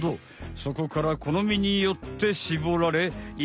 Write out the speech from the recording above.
そこからこのみによってしぼられ１